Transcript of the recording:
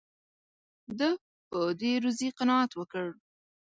ده په دې روزي قناعت وکړ.